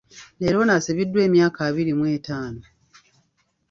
Leero ono asibiddwa emyaka abiri mu etaano.